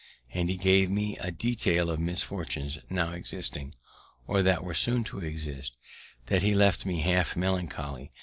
And he gave me such a detail of misfortunes now existing, or that were soon to exist, that he left me half melancholy.